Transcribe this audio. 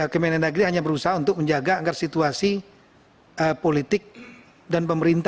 kementerian negeri hanya berusaha untuk menjaga agar situasi politik dan pemerintah